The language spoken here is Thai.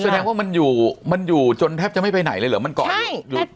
แสดงว่ามันอยู่มันอยู่จนแทบจะไม่ไปไหนเลยเหรอมันเกาะอยู่